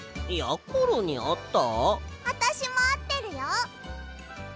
あたしもあってるよほら。